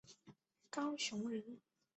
高雄人。